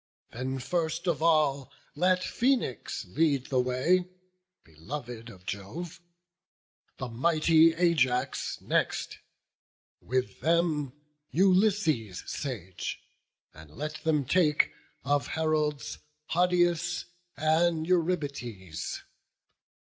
Then first of all let Phoenix lead the way, Beloved of Jove; the mighty Ajax next: With them, Ulysses sage; and let them take, Of heralds, Hodius and Eurybates.